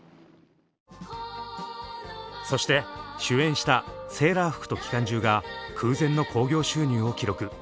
そして主演した「セーラー服と機関銃」が空前の興行収入を記録。